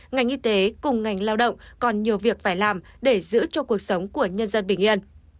ngành y tế cùng ngành lao động còn nhiều việc phải làm để giữ cho cuộc sống của nhân dân bình yên